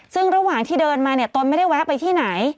ซึ่งระหว่างที่เดินมาเนี่ยตนไม่ได้แวะไปที่ไหน